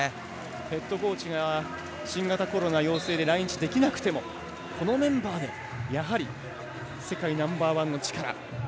ヘッドコーチが新型コロナ陽性で来日できなくてもこのメンバーでやはり世界ナンバーワンの力。